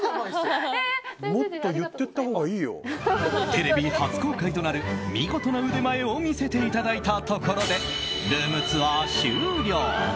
テレビ初公開となる見事な腕前を見せていただいたところでルームツアー終了。